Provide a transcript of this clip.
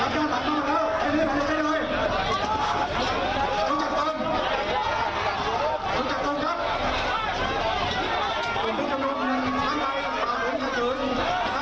ก็คือจับกลุ่มแนวร้อยเยอะทุกคน